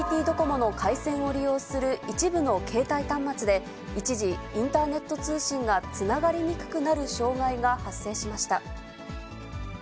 ＮＴＴドコモの回線を利用する一部の携帯端末で、一時、インターネット通信がつながりにくくなる障害が発生しました。